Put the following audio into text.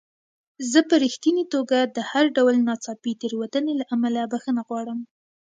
زه په رښتینې توګه د هر ډول ناڅاپي تېروتنې له امله بخښنه غواړم.